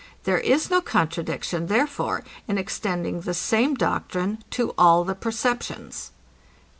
There is no contradiction, therefore, in extending the same doctrine to all the perceptions.